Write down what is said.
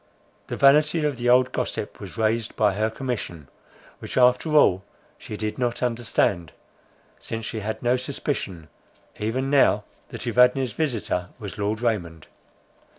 The vanity of the old gossip was raised by her commission, which, after all, she did not understand, since she had no suspicion, even now that Evadne's visitor was Lord Raymond.